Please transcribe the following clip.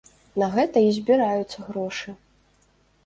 На гэта і збіраюцца грошы.